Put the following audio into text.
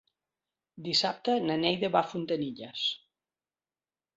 Dissabte na Neida va a Fontanilles.